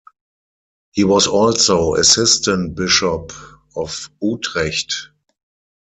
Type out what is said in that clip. He was also assistant bishop of Utrecht.